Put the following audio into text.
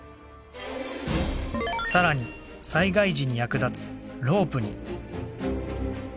さらに災害時に役立つロープに。